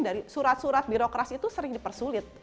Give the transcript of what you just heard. dari surat surat birokras itu sering dibilang